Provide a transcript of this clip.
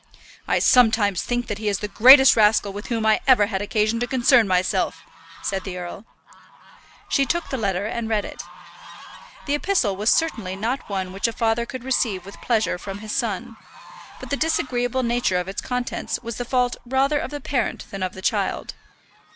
"I sometimes think that he is the greatest rascal with whom I ever had occasion to concern myself," said the earl. She took the letter and read it. The epistle was certainly not one which a father could receive with pleasure from his son; but the disagreeable nature of its contents was the fault rather of the parent than of the child.